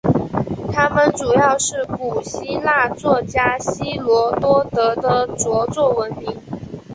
他们主要是从古希腊作家希罗多德的着作闻名。